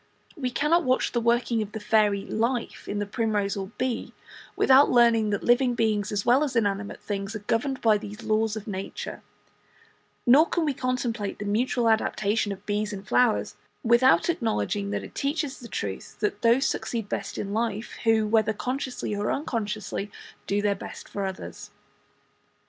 We cannot watch the working of the fairy "life" in the primrose or the bee, without learning that living beings as well as inanimate things are governed by these same laws of nature; nor can we contemplate the mutual adaptation of bees and flowers without acknowledging that it teaches the truth that those succeed best in life who, whether consciously or unconsciously, do their best for others.